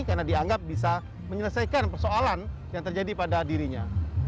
karena dianggap bisa menyelesaikan persoalan yang terjadi pada dirinya